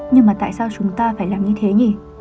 nhưng mà tại sao chúng ta phải làm như thế nhì